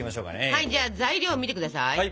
はいじゃあ材料を見て下さい！